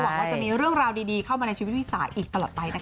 ว่าจะมีเรื่องราวดีเข้ามาในชีวิตพี่สายอีกตลอดไปนะคะ